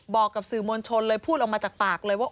บอกกับสื่อมวลชนเลยพูดออกมาจากปากเลยว่า